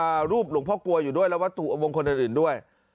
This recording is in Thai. รูปหลวงพ่อกลวยอยู่ด้วยและวัตถุมงคลอื่นด้วย